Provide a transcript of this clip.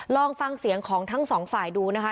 ลองฟังเสียงของทั้งสองฝ่ายดูนะคะ